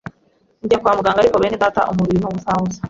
njya kwa muganga ariko bene data umubiri ni ubusa busa,